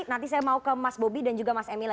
nanti saya mau ke mas bobi dan juga mas emila